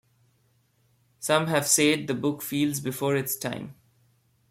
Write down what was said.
Some have said the book "feels before its time".